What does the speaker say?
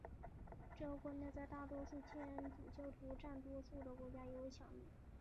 这个观念在大多数天主教徒占多数的国家尤为强烈。